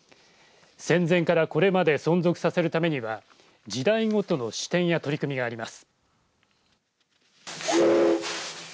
戦前からこれまで存続させるためには時代ごとの視点や取り組みがあります。